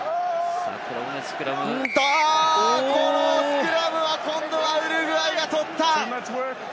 あっと、このスクラム、今度はウルグアイが取った！